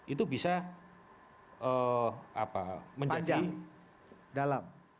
itu bisa menjadi dalam